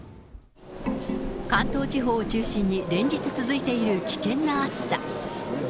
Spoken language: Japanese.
関東地方を中心に連日続いている危険な暑さ。